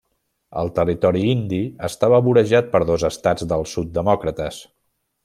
El Territori Indi estava vorejat per dos estats del sud demòcrates.